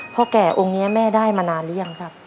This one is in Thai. แก่องค์นี้แม่ได้มานานหรือยังครับ